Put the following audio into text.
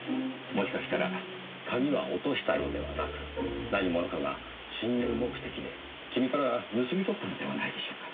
もしかしたら鍵は落としたのではなく何者かが侵入目的でキミから盗み取ったのではないでしょうか。